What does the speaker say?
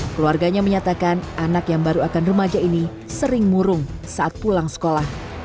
keluarganya menyatakan anak yang baru akan remaja ini sering murung saat pulang sekolah